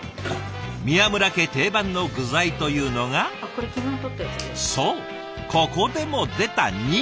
宮村家定番の具材というのがそうここでも出たニンニク！